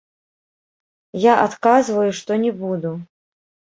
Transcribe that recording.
Я адказваю, што не буду.